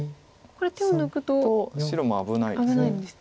これ手を抜くと。と白も危ないです。